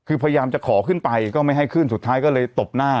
คือพยายามจะขอขึ้นไปก็ไม่ให้ขึ้นสุดท้ายก็เลยตบหน้า